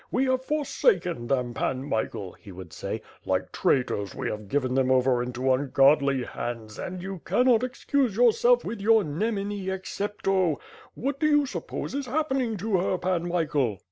"We have forsaken them. Pan Mi chael," he would say, "like traitors we have given them over into ungodly hands and you cannot excuse yourself with your nemine excepto! What do you suppose is happening to her. Pan Michael?"